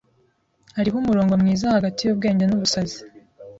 Hariho umurongo mwiza hagati yubwenge nubusazi.